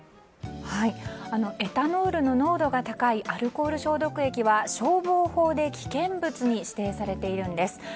エタノールの濃度が高いアルコール消毒液は消防法で危険物に指定されているんです。